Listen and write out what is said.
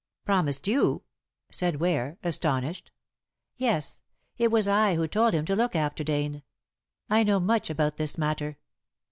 "Promised you?" said Ware, astonished. "Yes. It was I who told him to look after Dane. I know much about this matter."